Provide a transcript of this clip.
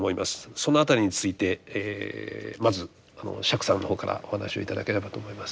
その辺りについてまず釈さんの方からお話を頂ければと思います。